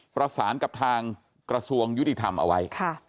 ประสานกับทางกระทรวงยุติธรรมเอาไว้